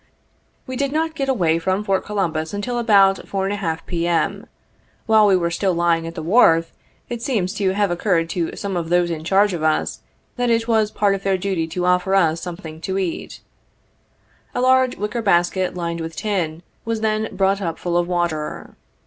We did not get away from Fort Columbus until about 4£, P.M. While we were still lying at the wharf, it seems to have occurred to some of those in charge of us, that it was part of their duty to offer us something to eat. A large wicker basket, lined with tin, was then brought up full of water.